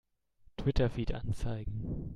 Twitter-Feed anzeigen!